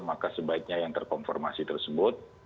maka sebaiknya yang terkonfirmasi tersebut